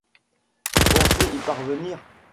Vous pensez y parvenir ?